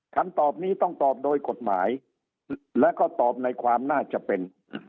คำตอบนี้ต้องตอบโดยกฎหมายและก็ตอบในความน่าจะเป็น